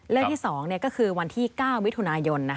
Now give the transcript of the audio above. เลิกที่๒ก็คือวันที่๙วิทยุณายน